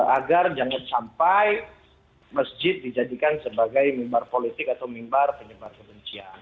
agar jangan sampai masjid dijadikan sebagai mimbar politik atau mimbar penyebaran kebencian